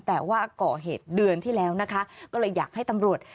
แต่ว่าก่อเหตุเดือนที่แล้วนะคะก็เลยอยากให้ตำรวจ